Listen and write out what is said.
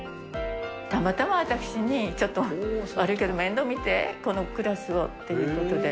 たまたま私にちょっと悪いけど、面倒見て、クラスをっていうことで。